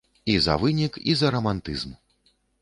І за вынік, і за рамантызм.